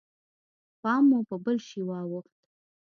پام مو په بل شي واوښت.